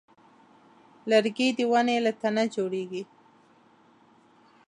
لرګی د ونې له تنه جوړېږي.